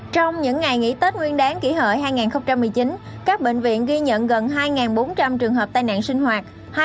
trong những ngày nghỉ tết nguyên đáng kỷ hợi hai nghìn một mươi chín các bệnh viện ghi nhận gần hai bốn trăm linh trường hợp tai nạn sinh hoạt